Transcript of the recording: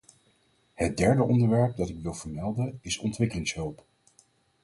Het derde onderwerp dat ik wil vermelden, is ontwikkelingshulp.